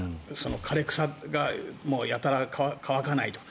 枯れ草がやたら乾かないと。